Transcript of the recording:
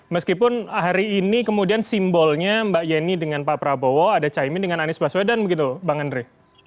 meskipun hari ini kemudian simbolnya mbak yeni dengan pak prabowo ada caimin dengan anies baswedan begitu bang andre